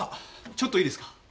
ちょっといいですか？